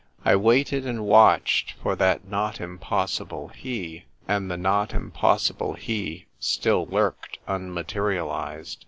I waited and watched for that not im possible he; and the not impossible he still lurked unmaterialised.